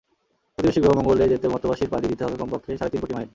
প্রতিবেশী গ্রহ মঙ্গলে যেতে মর্ত্যবাসীর পাড়ি দিতে হবে কমপক্ষে সাড়ে তিন কোটি মাইল।